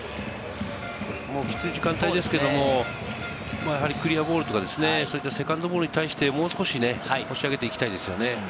もうきつい時間帯ですけれども、クリアボールとか、そういったセカンドボールに対してもう少し押し上げていきたいですよね。